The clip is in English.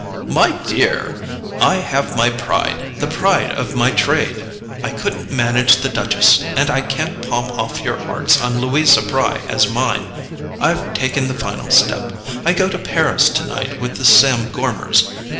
"My dear, I have my pride: the pride of my trade. I couldn't manage the Duchess, and I can't palm off your arts on Louisa Bry as mine. I've taken the final step: I go to Paris tonight with the Sam Gormers.